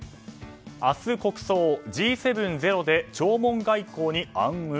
明日国葬、Ｇ７ゼロで弔問外交に暗雲？